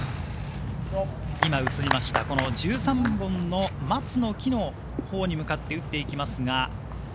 １３本の松の木のほうに向かって打っていきますが。